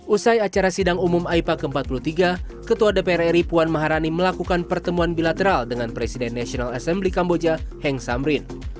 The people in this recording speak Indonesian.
usai acara sidang umum aipa ke empat puluh tiga ketua dpr ri puan maharani melakukan pertemuan bilateral dengan presiden national assembly kamboja heng samrin